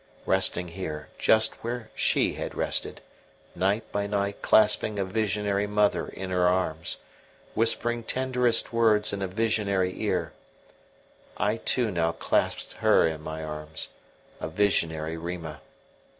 Resting here, just where she had rested, night by night clasping a visionary mother in her arms, whispering tenderest words in a visionary ear, I too now clasped her in my arms a visionary Rima.